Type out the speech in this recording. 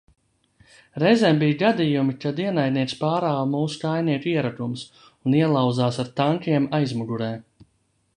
Reizēm bija gadījumi, kad ienaidnieks pārrāva mūsu kājnieku ierakumus un ielauzās ar tankiem aizmugurē.